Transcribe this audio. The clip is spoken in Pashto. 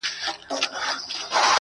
نن د یادونو ئې قدم بدل دے